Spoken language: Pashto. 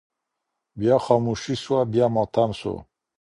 بيا خاموشي سوه بيا ماتم سو